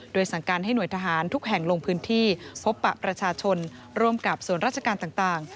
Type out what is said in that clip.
โดยสั่งการให้หน่วยทหารทุกแห่งลงพื้นที่พบปะประชาชนร่วมกับส่วนราชการต่าง